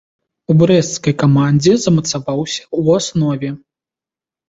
У брэсцкай камандзе замацаваўся ў аснове.